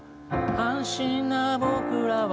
「安心な僕らは」